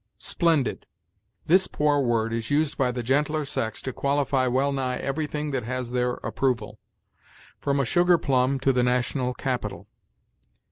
SPLENDID. This poor word is used by the gentler sex to qualify well nigh everything that has their approval, from a sugar plum to the national capitol.